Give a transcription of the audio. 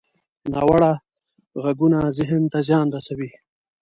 ناوړه غږونه ذهن ته زیان رسوي